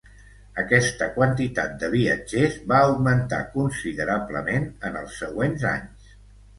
Aquesta quantitat de viatgers va augmentar considerablement en els següents anys.